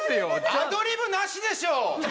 アドリブなしでしょ！